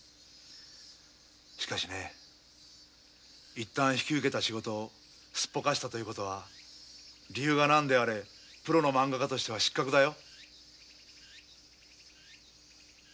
しかしね一旦引き受けた仕事をすっぽかしたということは理由が何であれプロのまんが家としては失格だよ。